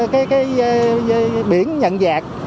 cái biển nhận dạng